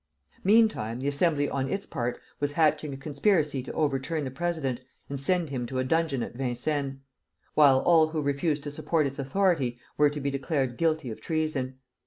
Meantime the Assembly on its part was hatching a conspiracy to overturn the president and send him to a dungeon at Vincennes; while all who refused to support its authority were to be declared guilty of treason.